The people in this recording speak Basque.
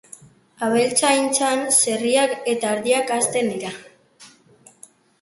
Abeltzaintzan, zerriak eta ardiak hazten dira.